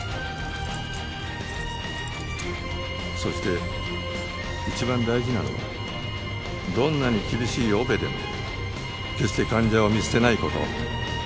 そして一番大事なのはどんなに厳しいオペでも決して患者を見捨てない事。